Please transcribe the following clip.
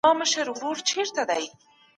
مادي پرمختګ تر معنوي پرمختګ چټک دی.